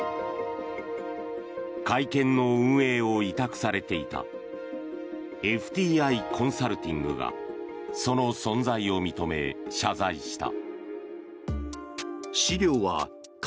会見の運営を委託されていたＦＴＩコンサルティングがその存在を認め、謝罪した。